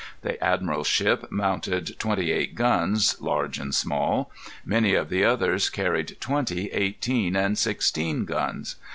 The admiral's ship mounted twenty eight guns, large and small. Many of the others carried twenty, eighteen, and sixteen guns.